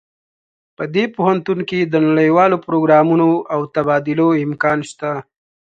په دې پوهنتون کې د نړیوالو پروګرامونو او تبادلو امکان شته